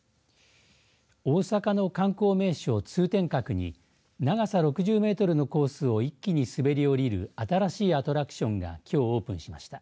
大阪の観光名所、通天閣に長さ６０メートルのコースを一気に滑り降りる新しいアトラクションがきょうオープンしました。